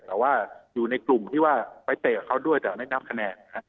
แต่ว่าอยู่ในกลุ่มที่ว่าไปเตะกับเขาด้วยแต่ไม่นับคะแนน